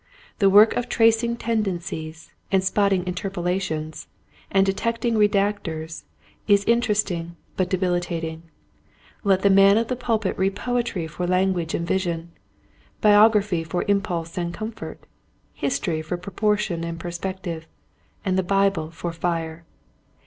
The work of tracing ten dencies, and spotting interpolations, and detecting redactors is interesting but de bilitating. Let the man of the pulpit read poetry for language and vision, biography for impulse and comfort, history for pro portion and perspective, and the Bible for fire.